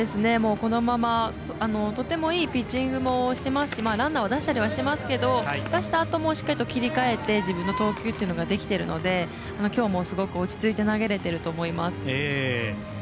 このままとてもいいピッチングもしてますしランナーを出したりはしていますけど出したあともしっかり切り替えて自分の投球というのができているのできょうもすごく落ち着いて投げれてると思います。